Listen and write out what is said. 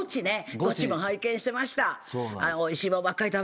ゴチも拝見してました。